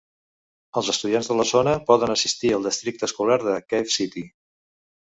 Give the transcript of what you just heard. Els estudiants de la zona poden assistir al districte escolar de Cave City.